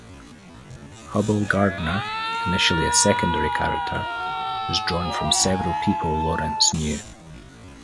Hubbell Gardiner, initially a secondary character, was drawn from several people Laurents knew.